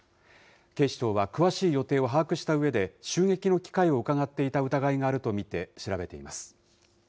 警視庁は詳しい予定を把握したうえで、襲撃の機会をうかがっていた疑いがあると見て調べています。